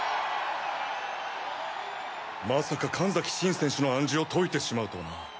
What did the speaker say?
まさか神崎シン選手の暗示を解いてしまうとはな。